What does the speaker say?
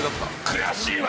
悔しいわ！